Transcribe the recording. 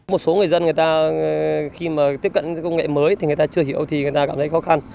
một số người dân khi tiếp cận công nghệ mới thì người ta chưa hiểu thì người ta cảm thấy khó khăn